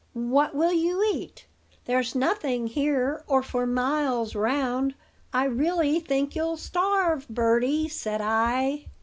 "'What will you eat? There's nothing here or for miles round. I really think you'll starve, birdie,' said I.